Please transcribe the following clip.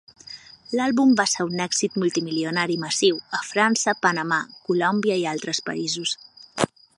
L'àlbum va ser un èxit multimilionari massiu a França, Panamà, Colòmbia i altres països.